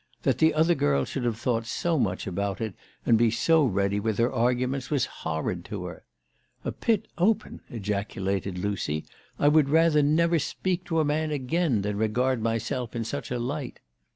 That the other girl should have thought so much about it and be so ready with her arguments was horrid to her. " A pit open !" ejaculated Lucy ;" I would rather never speak to a man again than regard myself in such a light."